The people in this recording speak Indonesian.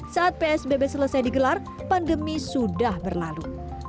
saat psbb selesai digelar pandemi sudah berlalu